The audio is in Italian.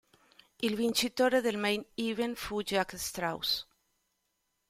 Il vincitore del Main Event fu Jack Straus.